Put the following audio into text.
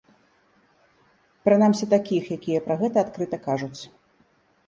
Прынамсі такіх, якія пра гэта адкрыта кажуць.